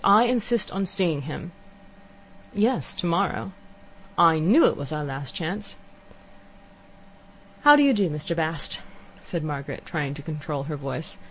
I insist on seeing him." "Yes, tomorrow." "I knew it was our last chance." "How do you do, Mr. Bast?" said Margaret, trying to control her voice.